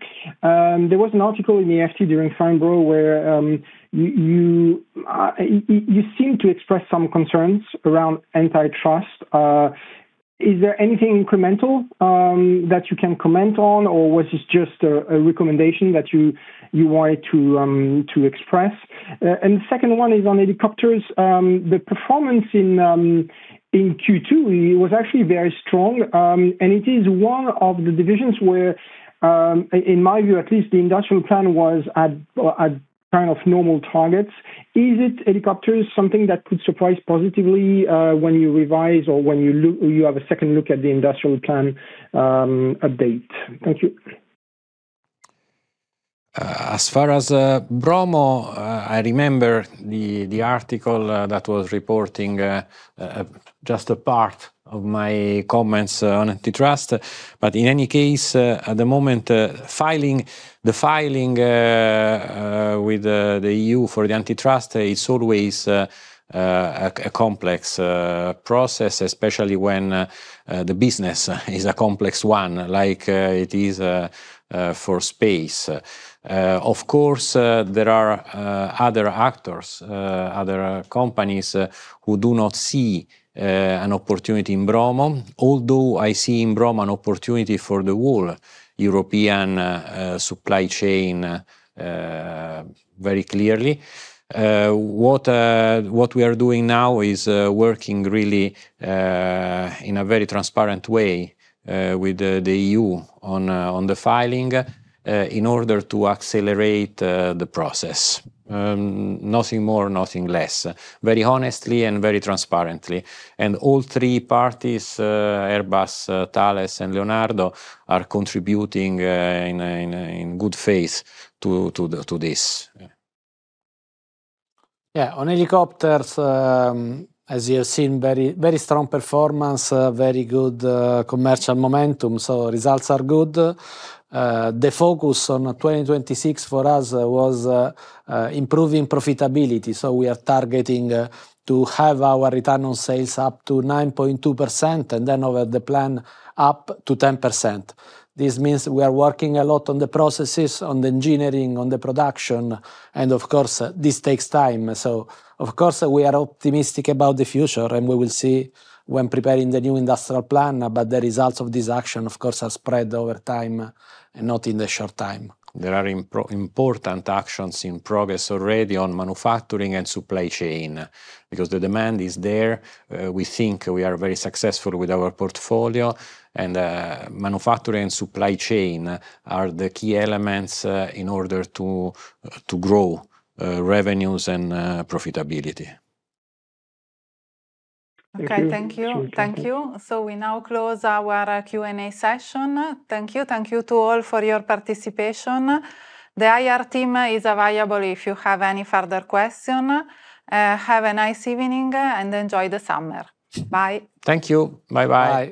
There was an article in AFT during Farnborough where you seemed to express some concerns around antitrust. Is there anything incremental that you can comment on, or was this just a recommendation that you wanted to express? The second one is on helicopters. The performance in Q2 was actually very strong, and it is one of the divisions where, in my view at least, the industrial plan was at normal targets. Is helicopters something that could surprise positively when you revise or when you have a second look at the industrial plan update? Thank you. As far as Bromo, I remember the article that was reporting just a part of my comments on antitrust. In any case, at the moment, the filing with the EU for the antitrust, it's always a complex process, especially when the business is a complex one like it is for space. Of course, there are other actors, other companies who do not see an opportunity in Bromo, although I see in Bromo an opportunity for the whole European supply chain very clearly. What we are doing now is working really in a very transparent way with the EU on the filing in order to accelerate the process. Nothing more, nothing less. Very honestly and very transparently. All three parties, Airbus, Thales, and Leonardo, are contributing in good faith to this. On helicopters, as you have seen, very strong performance, very good commercial momentum, so results are good. The focus on 2026 for us was improving profitability, so we are targeting to have our return on sales up to 9.2% and then over the plan up to 10%. This means we are working a lot on the processes, on the engineering, on the production, and of course, this takes time. Of course, we are optimistic about the future, and we will see when preparing the new industrial plan. The results of this action, of course, are spread over time and not in the short time. There are important actions in progress already on manufacturing and supply chain because the demand is there. We think we are very successful with our portfolio and manufacturing and supply chain are the key elements in order to grow revenues and profitability. Okay, thank you. We now close our Q&A session. Thank you. Thank you to all for your participation. The IR team is available if you have any further question. Have a nice evening and enjoy the summer. Bye. Thank you. Bye-bye.